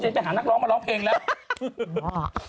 ไปหานักร้องมาร้องเพลงแล้ว